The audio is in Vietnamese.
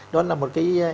nó là một cái